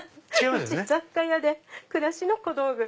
うち雑貨屋で暮らしの小道具。